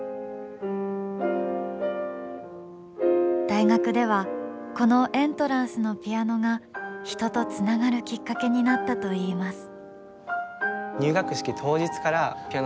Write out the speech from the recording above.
大学ではこのエントランスのピアノが人とつながるきっかけになったといいます。